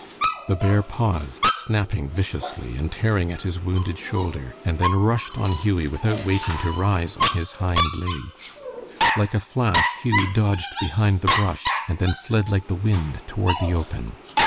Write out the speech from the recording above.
The bear paused, snapping viciously and tearing at his wounded shoulder, and then rushed on Hughie without waiting to rise on his hind legs. Like a flash Hughie dodged behind the brush, and then fled like the wind toward the open.